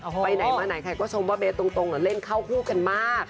ไปไหนมาไหนใครก็ชมว่าเบสตรงเล่นเข้าคู่กันมาก